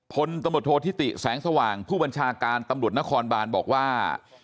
พลตำรวจโทษธิติแสงสว่างผู้บัญชาการตำรวจนครบานบอกว่า